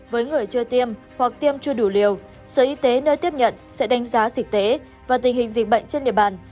với người chưa tiêm hoặc tiêm chưa đủ liều sở y tế nơi tiếp nhận sẽ đánh giá dịch tế và tình hình dịch bệnh trên địa bàn